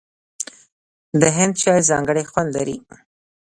د هند چای ځانګړی خوند لري.